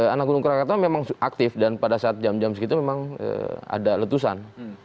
anakunung rakatau memang aktif dan pada saat jam jam segitu memang ada letusan